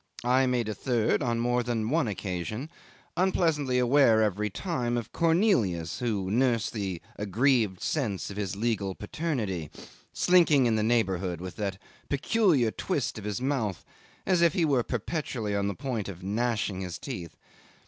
I made a third on more than one occasion, unpleasantly aware every time of Cornelius, who nursed the aggrieved sense of his legal paternity, slinking in the neighbourhood with that peculiar twist of his mouth as if he were perpetually on the point of gnashing his teeth.